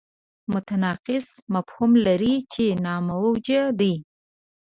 متناقض مفهوم لري چې ناموجه دی.